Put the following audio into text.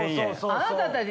あなたたち。